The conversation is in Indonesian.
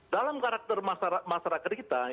dalam karakter masyarakat kita